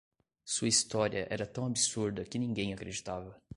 Sua história era tão absurda que ninguém acreditava.